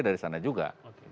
dari sana juga